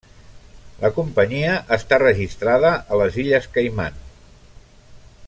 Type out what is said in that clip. La companyia està registrada a les Illes Caiman.